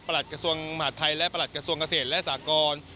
ประหลัดกระทรวงอมารถไทยและประหลัดกระทรวงเกษทและสากร